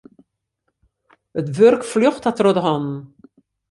It wurk fljocht har troch de hannen.